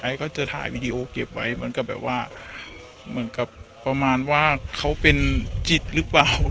ก็จะถ่ายวีดีโอเก็บไว้เหมือนกับแบบว่าเหมือนกับประมาณว่าเขาเป็นจิตหรือเปล่า